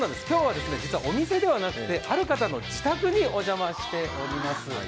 今日は実はお店ではなくて、ある方の自宅にお邪魔しております。